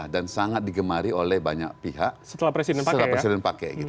dan sangat digemari oleh banyak pihak setelah presiden pakai